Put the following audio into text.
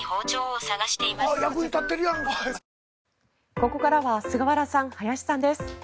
ここからは菅原さん、林さんです。